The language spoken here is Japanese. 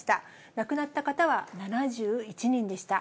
亡くなった方は７１人でした。